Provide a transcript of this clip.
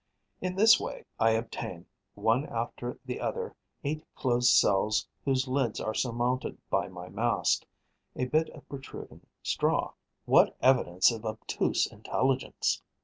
In this way, I obtain, one after the other, eight closed cells whose lids are surmounted by my mast, a bit of protruding straw. What evidence of obtuse intelligence!